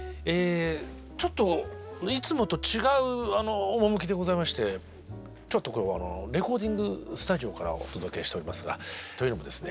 ちょっといつもと違う趣でございましてレコーディングスタジオからお届けしておりますがというのもですね